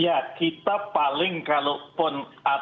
ya kita paling kalau pun ada senyuman ya